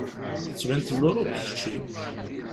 Tettbineḍ-d n Luṛup kečči.